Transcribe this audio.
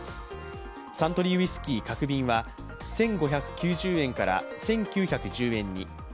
サントリーウイスキー角瓶は１５９０円から１９１０円に。